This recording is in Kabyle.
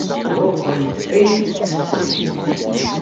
Ɣur-kent ayen i ttettemt.